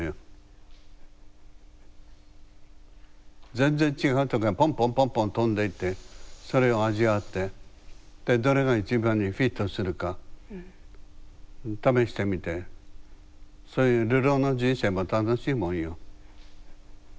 全然違うとこへポンポンポンポン飛んでいってそれを味わってでどれが一番にフィットするか試してみてそういうはい。